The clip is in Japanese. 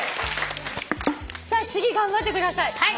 さあ次頑張ってください。